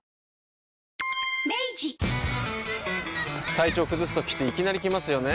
体調崩すときっていきなり来ますよね。